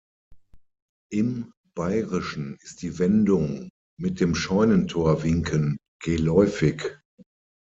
Im Bairischen ist die Wendung "„Mit dem Scheunentor winken“" geläufig.